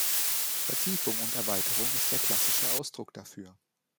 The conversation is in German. Vertiefung und Erweiterung ist der klassische Ausdruck dafür.